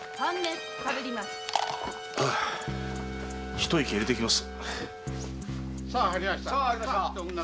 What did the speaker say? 一息いれてきます。